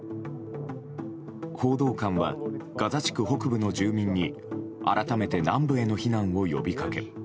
報道官は、ガザ地区北部の住民に改めて南部への避難を呼びかけ